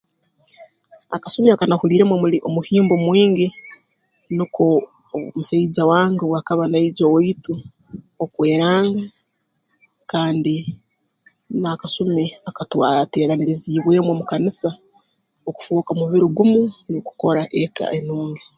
Akasumi aka nahuliiremu omuli omuhimbo mwingi nuko omusaija wange obu akaba naija owaitu okweranga kandi n'akasumi aka twateeraniriziibwemu omu kanisa okufooka mubiri gumu n'okukora eka enungi